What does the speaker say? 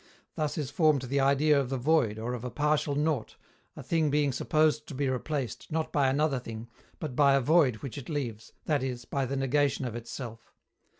Thus is formed the idea of the void or of a partial nought, a thing being supposed to be replaced, not by another thing, but by a void which it leaves, that is, by the negation of itself.